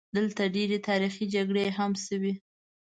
دلته ډېرې تاریخي جګړې هم شوي.